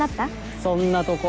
そんなとこ。